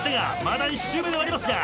まだ１周目ではありますが。